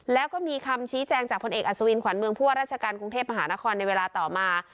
แล้วก็มีคำชี้แจงจากพลเอกอัศวินขวัญเมืองผู้ว่าราชการกรุงเทพมหานครในเวลาต่อมา